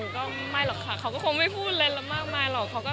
ก็ไม่หรอกค่ะเขาก็คงไม่พูดอะไรมากมายหรอก